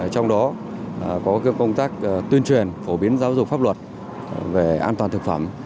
trong đó có công tác tuyên truyền phổ biến giáo dục pháp luật về an toàn thực phẩm